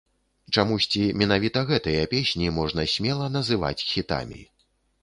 Чамусьці менавіта гэтыя песні можна смела называць хітамі.